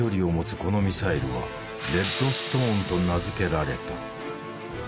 このミサイルは「レッドストーン」と名付けられた。